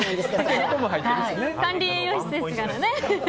管理栄養士ですからね。